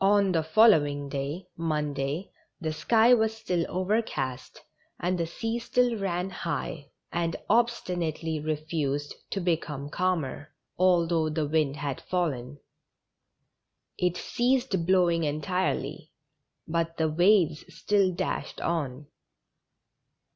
On the following day, Monday, the sky was still over cast, and the sea still ran high, and obstinately refused to become calmer, although the wind had fallen. It ceased blowing entirely, but the waves still dashed on.